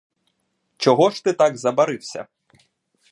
Чого ж ти так забарився?